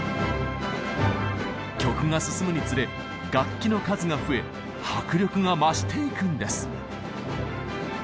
曲が進むにつれ楽器の数が増え迫力が増していくんです。